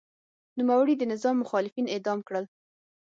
نوموړي د نظام مخالفین اعدام کړل.